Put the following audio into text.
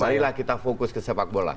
marilah kita fokus ke sepak bola